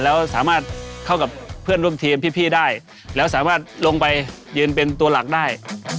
แล้วสามารถเข้ากับเพื่อนร่วมทีมพี่ได้แล้วสามารถลงไปยืนเป็นตัวหลักได้